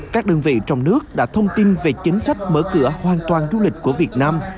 các đơn vị trong nước đã thông tin về chính sách mở cửa hoàn toàn du lịch của việt nam